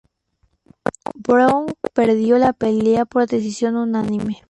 Brown perdió la pelea por decisión unánime.